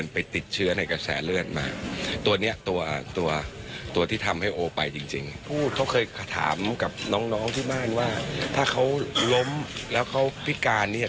ไปจริงเขาเคยถามกับน้องที่บ้านว่าถ้าเขาล้มแล้วเขาพิการเนี่ย